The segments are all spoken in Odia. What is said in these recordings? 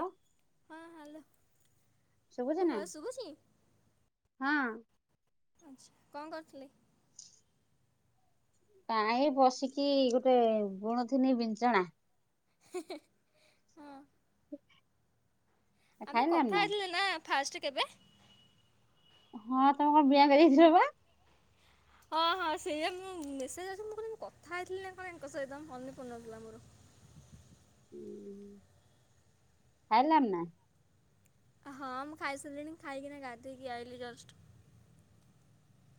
ହ ହଁ ହ୍ୟାଲୋ ଶୁଭୁଛି ମୋ ନା ଭଏସ ଶୁଭୁଛି। ହଁ ଆଚ୍ଛା କଣ କରୁଥିଲେ? ନାଇଁ ବସିକି ଗୋଟେ ବୁଣ ଥିନି ବିଞ୍ଚଣା। [unintelligible] ହଁ ଆମେ କଥା ହେଲଥିଲେ ନା ଫାଷ୍ଟ କେବେ? ହଁ ତମେ କଣ ବ୍ଯାଙ୍କ ଯାଇଥିଲ ବା। ହଁ ହଁ ସେଇଆା ମୁଁ ମେସେଜ୍ ଅଛି ମୁଁ କ କଥା ହେଇଥିଲି ନା କଣଙ୍କ ସହିତ ମନେ ପଡୁନଥିଲା ଥିଲା ମୋର। ଖାଇଲନି ନା। ହଁ ମୁଁ ଖାଇ ସାରିଲିଣି ଖାଇକି ଗାଧେଇ କି ଆଇଲି ଜଷ୍ଟ।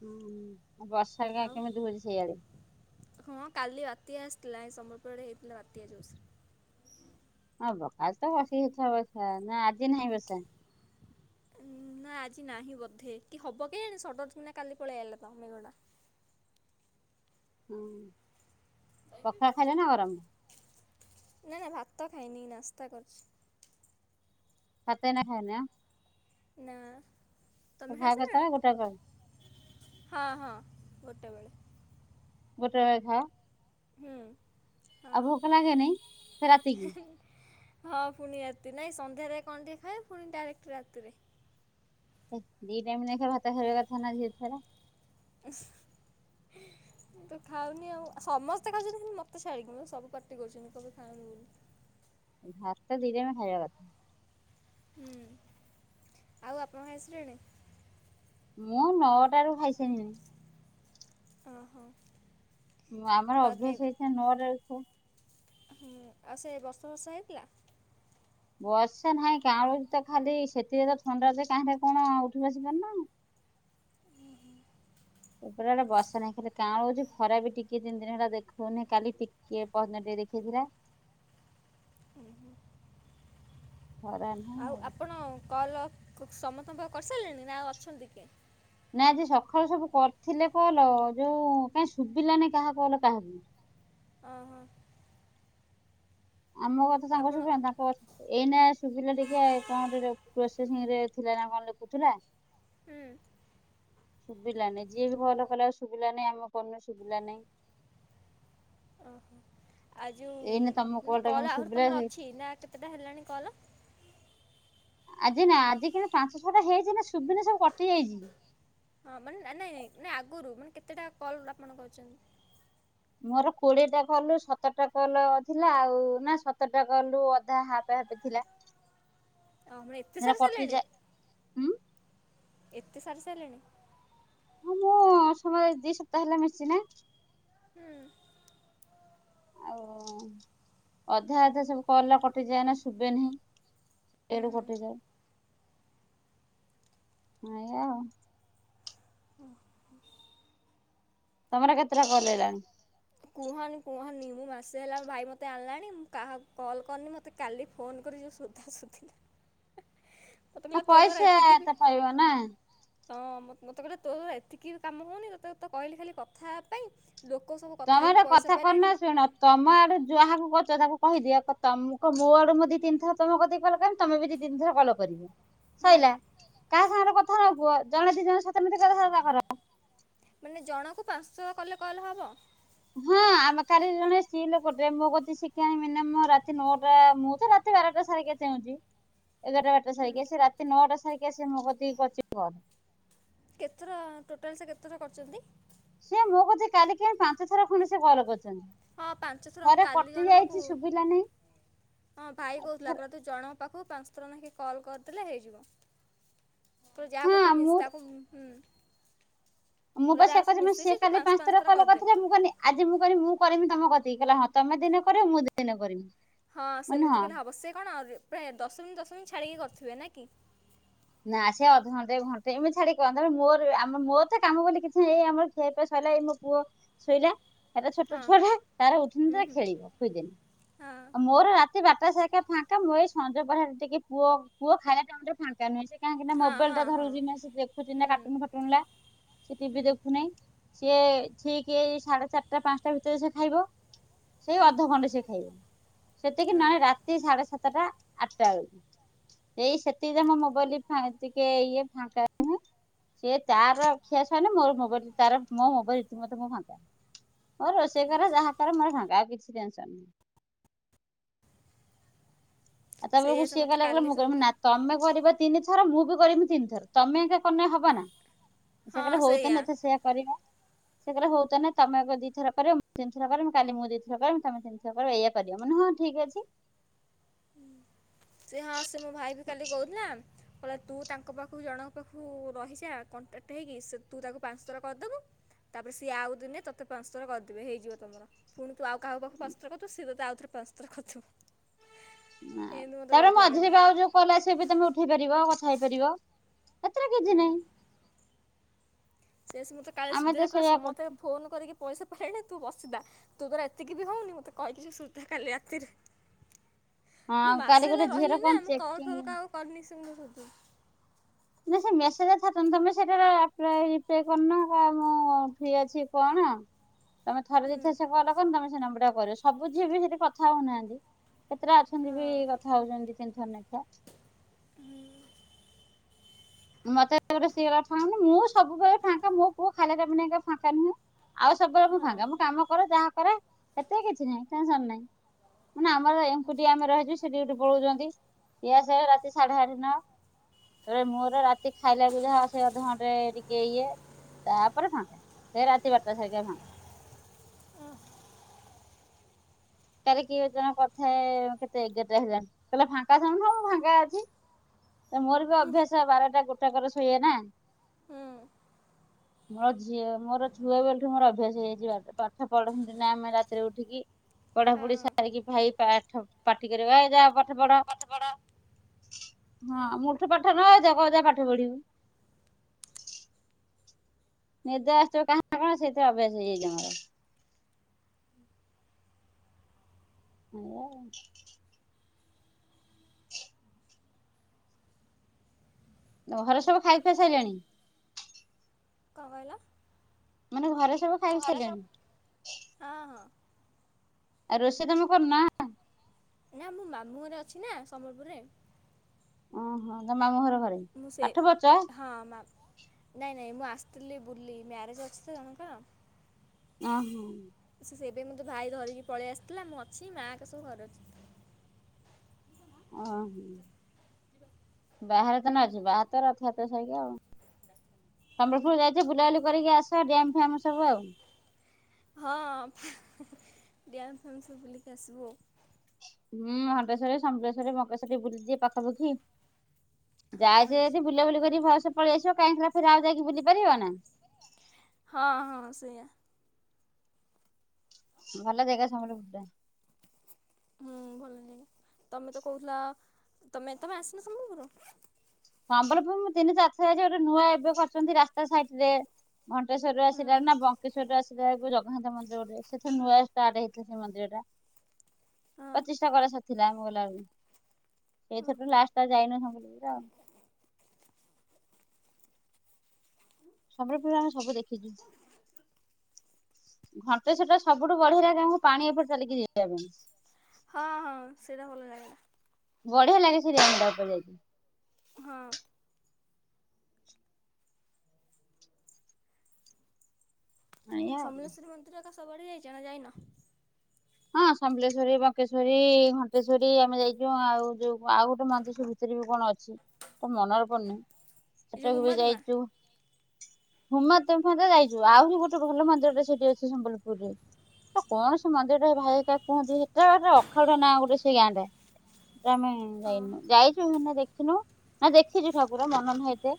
ହୁଁ ଆଉ ବର୍ଷା ହେରିକା ଆଉ କେମିତି ହଉଛି ସେଇଆଡେ? ହଁ କାଲି ରାତି ଆସିଥିଲା ଏ ସମ୍ବଲପୁରରେ ହେଇଥିଲା ବାତଆ ଯୋର୍ଶୋରେ। ହଁ ବଖା ତ ବସି ହେଇଥଥିବା ବସା ନା ଆଜି ନାହିଁ ବର୍ଷା। ନା ଆଜି ନାହିଁ ବୋଧେ କି ହବ କେଆଣୀ ସଦନ କିଣି କାଲି ପଳେଇ ଆଲେ ମେଘ ଟା ତ ହଁ ପଖାଳ ଖାଇଲେ ନା ଗରମ। ନାଇ ନାଇ ଭାତ ଖାଇନି ନାସ୍ତା କରୁଛି। ଭାତ ଏଇନା ଖାଇନ ଆଁ। ନା ତମେ ଖାଇ ଖାଅ କେତେବେଳେ ଗୋଟାଏ ପରେ ଆସିଲାଣି। ହଁ ହଁ ଗୋଟେ ବେଳେ। ଗୋଟେ ବେଳେ ଖାଅ? ହୁଁ। ଆଉ ହଁ ଭୋକ ଲାଗେ ନାଇଁ ସେ ରାତି କିି। ହଁ ପୁଣି ରାତି ନାଇଁ ସନ୍ଧ୍ୟାରେ କଣ ଟିକେ ଖାଏ ପୁଣି ଡାଇରେକ୍ଟ ରାତିରେ। ଦି ଟାଇମ ଲେଖାଏଁ ଭାତା ଖାଇ କଥା ନା ଝିଅ ଛୁଆ ଗୁଡା ତ ଖାଉନି ଆଉ ସମସ୍ତେ ଖାଉଛନ୍ତି ଖାଲି ମୋତେ ଛାଡ଼ିକି ମ ସବୁ କଟି କରୁଛନ୍ତି କେବେ ଖାଉନି ବୋଲି। ଭାର ତ ଦିରେ ଖାଇବା କଥା। ହୁଁ ଆଉ ଆପଣଙ୍କ ଖାଇସାଇଲେଣି। ମୁଁ ନଅଟାରୁ ଖାଇସାରିଲିଣି। ଓ ହୋ। ଆମର ଅଭ୍ୟାସ ହେଇଛି ନା ନଅ ଟରୁ ଶୋଉ। ହୁଁ ଆଉ ସେ ବର୍ଷା ଫର୍ଷା ହେଇଥିଲା? ବର୍ଷା ନାହିଁ କାଉଁଳ ତ ଖାଲି ସେଥିରେ ତ ଥଣ୍ଡା କାହିଁରେ କଣ ଉଠି ବସି ପାରୁନ। ଓ ହୁଁ। ମୁଁ କହିଲି ଇଆଡେ ବର୍ଷା ନାହିଁ ଖାଲି କାଉଁଲ ଉଛି ଖରା ବି ଟିକେ ଦି ତିନି ଦିନ ହେଲା ଦେଖଉନିଁ କାଲି ଟିକିଏ ପରଦିନ ଦେଖେଇଥିଲା। ହୁଁ ହୁଁ। ଖରାନ ଆଉ ଆପଣ କଲ୍ ସମସ୍ତଙ୍କର କରିସାରିଲେଣି ନା ଆଉ ଅଛନ୍ତି କିଏ? ନା ଆଜି ସକାଳୁ ସବୁ କରିଥିଲେ କଲ୍ ଯୋଉ କାହିଁ ଶୁଭିଲା ନି କାହା କଲ୍ କାହାକୁ। ଓହୋ। ଆମ କଥା ତାଙ୍କୁ ଆପଣ ଶୁଭିବନି ତାଙ୍କ କଥା ଏଇନା ଶୁବିଲା ଟିକେ କଣେ ପ୍ରୋସେସିଂ ରେ ଥିଲା ନା କଣ ଲେଖୁଥିଲା। ହୁଁ। ସୁବଭିଲା ନାହିଁ ଯିଏ ବି କଲ୍ କଲା ସୁବିିଲା ନାହିଁ ଆମ କଲୁ ସୁବିିଲା ନାହିଁ। ଓହୋ ଆଉ ଏଇନା ତମ ଯେଉ ଟା କଲ କେମିତି ଆହୁରି ତମର ଶୁଭିଲା ଅଛି ନା କେତେଟା ହେଲାଣି କଲ୍? ଆଜି ନା ଆଜି କିନ୍ତୁ ପାଞ୍ଚ ଛଅଟା ହେଇଛି ନା ସୁଭୁନି ସବୁ କଟି ଯାଇଛି। ହଁ ମାନେ ନାଇଁ ନାଇଁ ଆଗରୁ ମାନେ କେତେଟା କଲ୍ ଆପଣ କରିଛନ୍ତି? ମୋର କୋଡିଏ ଟା କଲ୍ ରୁ ସତରଟା କଲ୍ ଥିଲା ଆଉ ନା ସତରଟା କଲ୍ ରୁ ଅଧା ହାପ୍ ହାପ୍ ଥିଲା। ଆପଣ ଏତେ ହେରା ସାରି ସାରିଲଣି କଟିଯାଏ ଉଁ ଏତେ ସାରି ସାରିଲେଣି? ହଁ ମୁଁ ସମୁଦାୟ ଦି ସପ୍ତାହ ହେଲେ ମିଶିଚିନା। ହୁଁ। ଆଉ ଅଧା ଅଧା ସବୁ କଲ୍ ଗୁରା କଟି ଯାଏ ନା ଶୁଭେ ନାହିଁ। ଉଁ ଏଡୁ ହୁଁ। କଟି ଯାଏ ଏଇଆ। ତମର କେତେଟା କଲ୍ ହେଲାଣି? କୁହନି କୁହନି ମୁଁ ମାସେ ହେଲା ଭାଇ ମୋତେ ଆଣିଲାଣି ମୁଁ କାହା କଲ୍ କରିନି ମୋତେ ମୋତେ କାଲି ଫୋନ୍ କରି ଯୋଉ ସୋଦାସୁଧିଲା ମତେ ନା କହିଲା ତୋ ଦ୍ୱାରା ପଇସା ଏତିକି ବି ତ ପାଇବ ନା। ହଁ ମତେ କହିଲେ ତୋ ଦ୍ୱାରା ଏତିକି କାମ ହଉନି ତତେ ତ କହିଲି ଖାଲି କଥା ହବା ପାଇଁ। ଲୋକ ସବୁ କଥା ତମେ ହେଇକି ଗୋଟେ ପଇସା କରୁନ ପାଇଲେଣି। ଶୁଣ ତମ ଆଡୁ ଯାହାକୁ କରଛ ତାକୁ କହିଦିଅ ତମ ମ ମୁଁ ଆଡୁ ମୁଁ ଦି ତିନିଥର ତମ କତୀ କଲ୍ କରିବି ତମେ ବି ଦି ତିନି ଥର କଲ୍ କରିବ। ହୁଁ। ସଇଲା କାହା ସାଙ୍ଗରେ କଥା ନ କୁହ ଜଣେ ଦି ଜଣ ସହିତ କଥା ତା କର ମାନେ ଜଣକୁ ପାଞ୍ଚ ଥର କଲେ କଲ୍ ହବ? ହଁ ଆମେ କାଲି ଜଣେ ସ୍ତ୍ରୀ ଲୋକଟେ ମୋ କତିକି [unintelligible] ରାତି ନଅଟା ମୁଁ ତ ରା ବାରଟା ସାଢେ଼ ଏଗାରଟା ଚେଉଁଚି। ଏଗାରଟା ବାରଟା ହୁଁ। ସାରିକି ସେ ରାତି ନଅଟା ସାରିକି ଆ ସେ ମୋ କତି କରିଚି କୁହ। କେତେଥର ଟୋଟାଲ ସେ କେତେଥର କରିଛନ୍ତି? ସିଏ ମୋ କତିକି କାଲିି ପାଞ୍ଚ ଥର ଖଣ୍ଡେ ସେ କଲ୍ କରିଛନ୍ତି। ହଁ ପାଞ୍ଚ ଥର ମୁଁ ଥରେ କାଲି କଟି ଜଣ ଯାଇଛି ପାଖୁ ଶୁଭିଲାନି ହଁ ଭାଇ କହୁଥିଲା କଲା ତୁ ଜଣଙ୍କ ପାଖକୁ ପାଞ୍ଚ ଥର ଲେଖା କଲ୍ କରିଦେଲେ ହେଇଯିବ। କହିଲା ହଁ ଯାହାକୁ ତୁ ମୁଁ ମିଶ ତାକୁ ହୁଁ। କହିଲା ଯାହା ସହ [unintelligible] ମୁଁ ମିଶିଛି ସିଏ ତୁ କାଲି ପାଞ୍ଚ ଥର କଲେ କରିଦେ। କରିଥିଲା ମୁଁ କହିଲି ଆଜି ମୁଁ କରିିବି ମୁଁ କରିମି ତମ କତି କହିଲ ହଁ ତମେ ଦିନେ କରି ମୁଁ ଦିନେ କରିବି। ହଁ କହିନି ହଁ ସେମିତି କହିଲେ ହେବ ସେ କଣ ଆ ପ୍ରାୟ ଦଶ ମିନିଟ୍ ଦଶ ମିନିଟ ଛାଡ଼ିକି କରିଥିବେ ନା କି। ନା ସିଏ ଅଧଘଣ୍ଟେ ଘଣ୍ଟେ ଏମି ଛାଡି କହନ୍ତ ତାପରେ ମୋର ଆମ ମୋତେ କାମ ବୋଲି କିଛି ନାହିଁ ଆମର ଖିଆ ପିଆ ସଇଲା ଏଇ ମୋ ପୁଅ ଶୋଇଲା। ଛୋଟ ହଁ ଛୁଆଟା ତାର ଉଠିନି ହୁଁ ତ ହୁଁ ଖେଳିବ ଖୁଇଦେ ହଁ ଆ ମୋର ରାତି ସେ ବାରଟା ଯାଙ୍କେ ଫାଙ୍କା ମୁଁ ଏଇ ସଞ୍ଜ ପହରେ ଟିକେ ପୁଅ ପୁଅ ଖାଇଲେ ଫାଙ୍କ ନୁହେଁ ସେ କାହିଁକି ନା ହଁ ମୋବାଇଲ ହଁ ଟା ହଁ ଧରୁଛି ନା ସେ ଦେଖୁଛି ନା ହୁଁ କାଟୁନ ଫାଟୁନଟା ସେ ହୁଁ ଟିଭି ଦେଖୁନେହିଁ। ସିଏ ଠିକ ଏଇ ସାଢେ ଚାରିଟା ପାଞ୍ଚଟା ଭିତରେ ସେ ଖାଇବ। ସେଇ ହୁଁ ଅଧଘଣ୍ଟେ ସେ ଖାଇବ ସେତିକି ହଁ ନାଇ ରା ତି ସାଢେ ସାତଟା ଆଠଟା ବେଳକୁ ଏଇ ସେତିକି ରେ ମୋ ଆଁ ଟିକେ ଇଏ ଫାଙ୍କା। ସିଏ ତାର ଖିଆ ସଇନେ ମୋର ମୋବାଇଲ ତାର ମୋ ମୋବାଇଲ ମତେ ମୁଁ ଫାଙ୍କା। ହଁ ରୋଷେଇ କରେ ଯାହା କରେ ମୋର ଫାଙ୍କା ଆଉ କିଛି ଟେନସନ ଆ ତା ବେଳକୁ ସେଇଆ [unintelligible] ସେ ଶି ଏକା ମୋତେ ଲାଗଲେ କାଲି ମୁଗ ସୋଉଠୁ ନା ତମେ କରିବ ତିନି ଥର ମୁଁ ବି କରିବି ତିନି ଥର ତମେ ଏକ କନେ ହବ ନା। ସେ ହଁ କହିଲେ ସେଇଆ। ହଉତାନେ ଏଥ ସେଇୟା କରିବା। ସେ କହିଲେ ହଉ ତାନେ ତମେ ଆଗ ଦିଥର କରିବ ମୁଁ ତିନି ଥର କରିବ କାଲି ମୁଁ ଦିଇଥର କରିବି ତମେ ତି ଏଇଆ କରିବା ମାନେ ହଁ ଠିକ ଅଛି। ସେ ହଁ ସେ ମୋ ଭାଇ ବି କାଲି କହୁଥିଲା। କହିଲା ତୁ ତାଙ୍କ ପାଖକୁ ଜଣଙ୍କ ପାଖକୁ ରହିଛା କଣ୍ଟାକ୍ଟ ହେଇକି ସେ ତୁ ତାକୁ ପାଞ୍ଚ ଥର କରିଦବୁ। ତାପରେ ସିଏ ଆଉ ଦିନେ ତୋତେ ପାଞ୍ଚ ଥର କରିଦେବେ ହେଇଯିବ ତମର। ପୁଣି ତୁ ଆଉ କାହା ପାଖୁ ପାଞ୍ଚ ଥର କରିଦବୁ ସେ ତତେ ଆଉ ଥରେ ପାଞ୍ଚ ଥର କରି ଦବ। ତାପରେ କାଲି ମଝିରେ ବି ଆଉ ଯୋଉ କଲ ଆସିବ ବି ତମେ ଉଠେଇ ପାରିବ କଥା ହେଇପାରିବ ଏଥିରେ କିଛି ନାହିଁ। ସିଏ ଆସି ମୋତେ କାଲି ଆମେ ସୁଦିଲା ତ କହିଲା ସେଇଆ ସମସ୍ତେ କରୁଛୁ ଫୋନ୍ କରିକି ପଇସା ପାଇଣି ତୁ ବସିଦା ତୁ ତୋର ଏତିକି ବି ହଉନି ମତେ କହିକି ସେ ସୋଦା କାଲି ରାତିରେ। ମୁଁ ହଁ କାଲି ମାସ ଗୋଟେ ହେଲା ଝିଅର ରହିଲି କଣ ନା ମୁଁ କଲ ଫଲ୍ ଚେକିଂ କାହାକୁ କରିନି ସେ ମତେ ସୋଦୁଚି। ନା ସେ ମେସେଜ ଥନ୍ତ ତମେ ସେଇଟା ରିପ୍ଲାଏ କରୁନ କ ମୁଁ ଫ୍ରି ଅଛି କଣ। [inaudible] ତମେ ଥରେ ଯେ ଥର ସେ କଲ କ ତମେ ସେ ନମ୍ବର ଟା କରିବ ସବୁ ଝିଅବି ସେଠି କଥା ହଉନାହାନ୍ତି। କେତେଟା ଅଛନ୍ତି ବି ହଁ କଥା ହଉଛନ୍ତି ଦି ତିନି ଥର ଲେଖା। ହୁଁ। ମତେଟ ସେଇ ଫାନି ମୁଁ ସବୁବେଳେ ଫାଙ୍କା ମୋ ପୁଅ ଖାଲିରେ ଫାଙ୍କା ନୁହଁ। ଆଉ ସବୁବେଳେ ମୁଁ ହଁ ଫାଙ୍କା ମୁଁ କାମ କରେ ଯାହା କରେ ସେଥେରେ କିଛି ନାହିଁ ଟେନସନ୍ ନାହିଁ। ମାନେ ଆମର ଏକୁଟିଆ ଆମେ ରହିଛୁ ସେଠି ଏଠୀ ପଳଉଛନ୍ତି। ଏ ଆସୁ ଆସୁ ରାତି ସାଢେ ଆଠ ନ ତା ପରେ ମୋର ରାତି। ରାତି ଖାଇଲା ପି ଲା ସେ ଅଧଘଣ୍ଟେ ଟିକେ ଇଏ। ତାପରେ ଫାଙ୍କା ସେ ରାତି ବାରଟା ସରିକା ଫାଙ୍କା। ଆ କାର କି ଜଣ କଥାଏ କେତେ ଏଗାରଟା ହେଲାଣି କହିଲଲେ ଫାଙ୍କା ଶ [unintelligible] ଣୁନ ଫାଙ୍କା ଅଛି ମୋର ବି ଅଭ୍ୟାସ ବାରଟା ଗୋଟାକର ଶୋଏନା। ହଁ ମୋର ଝିଅ ମୋର ଛୁଆ ବେଲାଠୁ ମୋର ଅଭ୍ୟାସ ହେଇଛି ପାଠ ପଢନ୍ତି ନା ଆମେ ରାତିରେ ଉଠିକି। ପଢ଼ାପଢ଼ି ହଁ ସାରିକି ଭାଇ ପାଠ ପାଟି କରିବ ଏ ଯାଆ ପାଠ ପଢ଼। ପାଠପଢ଼ା। ହଁ ମୁଲୁଠୁ ପାଠ ନ ଆଇଥାଉ କହିବ ଯା ପାଠ ପଢିବୁ। [unintelligible] ଆସୁଥିବ କାହା କଣ ସେଇଥିରେ ଅଭ୍ୟାସ ହେଇଯାଇଛି ମୋର। [unintelligible] ଘରେ ସବୁ ଖାଇ ଖୁଆ ସାରିଲେଣି? କଣ କହିଲ? ମାନେ ଘରେ ସବୁ ଖାଇ ଘରେ ସାରିଲେଣି ସବୁ ହଁ ହଁ। ଆଉ ରୋଷେଇ ତମେ କରୁନ? ନା ମୁଁ ମାମୁଁ ଘରେ ରେ ଅଛି ନା ସମ୍ବଲପୁରରେ। ଓହୋ ତମ ମାମୁଁ ଘର ଘରେ। ମୁ ସେଇ ପାଠ ପଢୁଛ ହଁ ମା ନାଇଁ ନାଇଁ ମୁଁ ଆସିଥିଲି ବୁଲି ମ୍ୟାରେଜ୍ ଅଛି ତ ଜଣକ ର। ଓ ହୋ। ସେବେ ମୋତେ ଭାଇ ଧରିକି ପଳେଇ ଆସିଥିଲା ମୁଁ ଅଛି ମା ହେଇକା ସବୁ ଘରେ ଅଛି। ଓହୋ ବାହାରେ ତ [unintelligible] ସମ୍ବଲପୁର ଯାଇଛ ବୁଲାବୁଲି କରିକି ଆସ ଡ୍ୟାମ୍ ଫ୍ୟାମ୍ ସବୁ ଆଉ। ହଁ ଡ୍ୟାମ୍ ଫ୍ୟାମ୍ ସବୁ ବୁଲିକି [unintelligible] ହୁଁ ହଟେସ୍ୱରି, ସମଲେଶ୍ଵରୀ [unintelligible] ପାଖାପାଖି। ଆଉ। ଯାଇଛ ଯଦି ବୁଲା ବୁଲିକରି ଭଲସେ ପଳେଇ ଆସିବ [unintelligible] ଆଉ ଯାଇକି ବୁଲି ପାରିବ ନା। ହଁ ହଁ ସେଇଆ। ଭଲ ଜାଗା ସମ୍ବଲପୁର ଟା। ହୁଁ ଭଲ ଲାଗି ତମେ ତ କହୁଥିଲ ତମେ ତମେ ଆସିବ ସମ୍ବଲପୁର। ସମ୍ବଲପୁର ମୁଁ ତିନି ଚାରି ଥର ଯାଇଛି ନୂଆ ଏବେ କରିଛନ୍ତି ରାସ୍ତା ସାଇଡ଼ ରେ। ଘଣ୍ଟେସ୍ୱରୀ ରୁ ହୁଁ ଆସିଲାଣି ନା ବଙ୍କେଶ୍ୱରରୁୁ ଆସି ସେ ଜଗନ୍ନାଥ ମନ୍ଦିର ଗୋଟେ ସେ ନୂଆ ଷ୍ଟାର୍ଟ ହେଇଥିଲା ସେ ମନ୍ଦିର ଟା। ହଁ ପ୍ରତିଷ୍ଠା କରା ସରିଥିଲା ଆମେ ଗଲା ବେଳକୁ ହଁ ଏଇଥର ଲାଷ୍ଟ୍ ଟା ଯାଇନୁ ସମ୍ବଲପୁର ଆଉ। ସମ୍ବଲପୁର ରେ ଆମେ ସବୁ ଦେଖିଛୁ ଘ ତ ସେଟା ସବୁଠୁ ବଢ଼ିଆ ଜାଗା ପାଣି ଉପରେ ଚାଲିକି ଯିବା ପାଇଁ। ହଁ ହଁ ସେଇଟା ଭଲ ଲାଗେ। ବଢିଆ ଲାଗେ ସେ ଡ୍ୟାମ୍ ଟା ଉପରେ ଯାଇକି। ହଁ। ଏଇଆ ଆଉ। ସମଲେଶ୍ୱରୀ ମନ୍ଦିର ଏକା ସବୁଆଡ଼େ ଯାଇଛ ନା ଯାଇନ? ହଁ ସମଲେଶ୍ଵରୀ, ବଙ୍କେଶ୍ୱରୀ, ଘଣ୍ଟେଶ୍ଵରୀ ଆମେ ଯାଇଛୁ ଆଉ ଯୋଉ ଆଉ ଗୋଟେ ମନ୍ଦିର [unintelligible] ସେଥିରେ ବି କଣ ଅଛି ତ ମନରେ [unintelligible] ଏ ଯୋଉ ସେଟାକୁ ହୁମା ବି ଧୁମା ଯାଇଛୁ। ହୁମା [unintelligible] ମନ୍ଦିର ଯାଇଛୁ ଆହୁରି ଗୋଟେ ଭଲ ମନ୍ଦିର ଟେ ସେଠି ଅଛି ସମ୍ବଲପୁରରେ। କଣ ସେ ମନ୍ଦିର [unintelligible] ଭାଇ‌ ହେଇକା କୁହନ୍ତି ସେଟା ଗୋଟ ଅଖାଡୁ଼ଆ ନାଁ ଗୋଟେ ସେଇ ଗାଁଟା। ଆମେ ଯାଇନୁ ହୁଁ। ଯାଇଛୁ ଦେଖିନୁ ନା ଦେଖିଛୁ ଠାକୁର ମନ [unintelligible]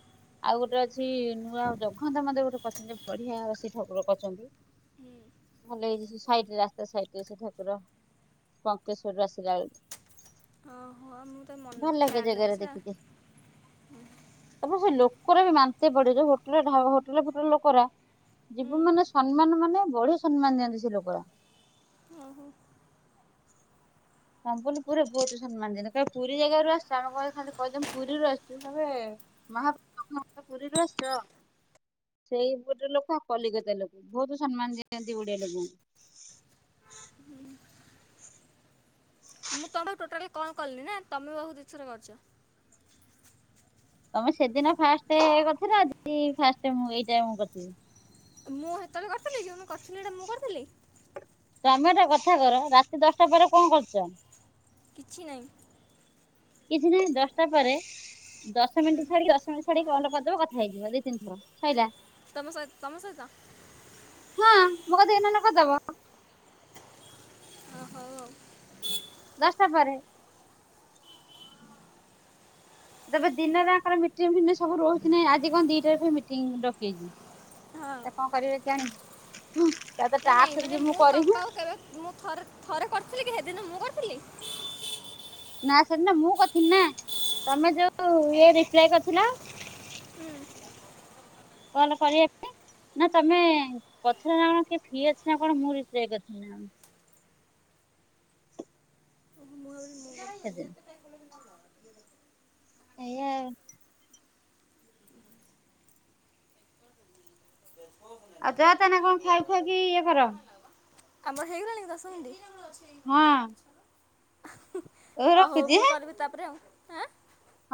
ଆଉ ଗୋଟେ ଅଛି ନୂଆ ଜଗନ୍ନାଥ ମନ୍ଦିର ଗୋଟେ [unintelligible] ବଢିଆ ଠାକୁର କରିଛନ୍ତି। ହୁଁ। ଭଲ ହେଇଯାଇଛି ସାଇଡି଼ ରାସ୍ତା ସାଇଡ଼ି। [unintelligible] ଠାକୁର ପଙ୍କେଶ୍ଵରୀ ରୁ ଆସିଲା ବେଳକୁ। ହଁ ମୁଁ ତ ମନେ ଭଲ ଲାଗେ ଖ୍ୟାଲ ନାହିଁ ଜାଗାରେ ସେ ଦେଖିକି ତାପରେ ସେ ଲୋକର ବି ମାନ୍ତେ ପଡେ ଯୋଉ ହୋଟେଲ୍ ହୋଟେଲ ଫୋଟେଲେ ଲୋକରା ଯିବୁ ହୁଁ ମାନେ ସମ୍ମାନ ମାନେ ବଢ଼ିଆ ସମ୍ମାନ ଦିଅନ୍ତି ସେ ଲୋକ। ଓହୋ ସଂପୂଣ୍ଣ ପୁରୀରୁ ପୁରୀ ବହୁତ ସମ୍ମାନ ଦିଅନ୍ତି, ଯେତେହେଲେ ପୁରୀ ଜାଗାରୁ ଆସିଛ ଆମେ କହିବୁ ଖାଲି କହିଦିଅ ମୁଁ ପୁରୀରୁ ଆସିଛୁ କହିବେ ମହା [unintelligible] ପୁରୀରୁ ଆସିଛ? ସେଇ ଗୋଟେ ଲୋକ କଲିକତା ଲୋକ ବହୁତ ସମ୍ମାନ ଦିଅନ୍ତି ଓଡିଆ ଲୋକଙ୍କୁ। ହୁଁ, ହୁଁ। ମୁଁ [unintelligible] ଟୋଟାଲି କଣ କଲିି ନା ତମେ ମୋ ପାଖକୁ ଦି ଥର କରିଛ। ତମେ ସେଦିନ ଫାଷ୍ଟ୍ କରିଥିଲ ଆଜି ଫାଷ୍ଟ ମୁଁ ଏଇଟାରେ ମୁଁ କରିଥିଲି। ମୁଁ ହେତେବେଳେ କରିଥିଲି ଯେଉଁଦିନ କରିଥିଲି ହେଟା ମୁଁ କରିଥିଲି? ତମେ ଏଟା କଥା କର ରାତି ଦଶଟା ପରେ କଣ କରୁଛ? କିଛି ନାହିଁ। କିଛି ନାହିଁ ଦଶଟା ପରେ ଦଶ ହୁଁ ମିନିଟ୍ ଛାଡି ଦଶ ମିନିଟ୍ ଛାଡି କଲ୍ କରିଦେବ କଥା ହେଇଯିବ ଦି ତିି ଥର ସଇଲା। ତମ ସହି--ତମ ସହିତ? ହଁ ମୋ କତିକି ନହେଲେ କରିଦେବ। ଓ ହଉ ଆଉ ଦଶଟା ପରେ ତାପରେ ଦିନରେ ତାଙ୍କର ମିଟିଂ ଫିଟିଙ୍ଗ ସବୁ ରହୁଛି ନାହିଁ ଆଜି କଣ ଦିଟାରେ ଫୁଣି ମିଟିଂ ଡକେଇଛି। ହଁ। ସେ କଣ କରିବେ କେଜାଣି? ତା ନାଇ ନାଇ ଟାସ୍କ ମାନେ ଯଦି ମୁଁ ତମ କରିବି ପାଖକୁ କେବେ ମୁଁ ଥରେ ଥରେ କରିଥିଲି କି ହେଦିନ ମୁଁ କରିଥିଲି? ନା ସେଦିନ ମୁଁ କିରିଥିନି ନା, ତମେ ଯୋଉ ଇଏ ରିପ୍ଲାଏ କରିଥିଲ ହୁଁ। କଲ୍ କରିବା ପାଇଁ? ନା ତମେ କରିଥିଲ ନା କଣ କିଏ ଫି ଅଛି ନା କଣ ମୁଁ ରିପ୍ଲାଏ କରିଥିଲି ନା କଣ। [inaudible] ଓ ମୁଁ ଭାବିଲି ମୁଁ କରିଥିଲି। ଆଜିନି ଏଇଆ [unintelligible] ଆଉ ଯା ତାନେ କଣ ଖାଇଖୁଆ କି ଇଏ କର। ଆମର ହେଇଗଲାଣି କି ଦଶମିନିଟ୍? ହଁ। ହଁ ହଉ ରଖୁଛି ମୁଁ କରିବି ତାପରେ ଆଉ। ଆ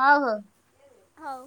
ହଉ ହଉ। ହଉ।